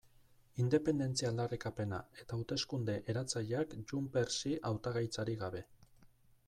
Independentzia aldarrikapena eta hauteskunde eratzaileak JxSí hautagaitzarik gabe.